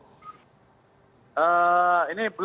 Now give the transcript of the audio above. ini blok satu dua namanya yang di ujung itu yang ini